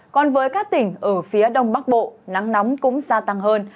còn với các tỉnh ở phía đông bắc bộ nắng nóng cũng gia tăng hơn